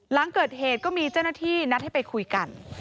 หลังเกิดเหตุก็มีเจ้าหน้าที่นัดให้ไปคุยกัน